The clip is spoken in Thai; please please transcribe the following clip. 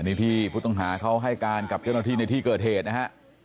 อันนี้ที่ฟุตฐงหาเขาให้การกลับเก็บละที่ในที่เกิดเหตุนะฮะ